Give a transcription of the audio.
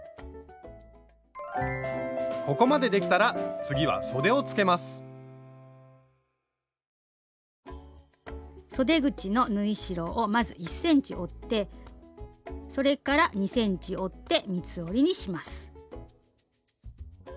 ここまでできたら次はそで口の縫い代をまず１ｃｍ折ってそれから２ｃｍ折って三つ折りにします。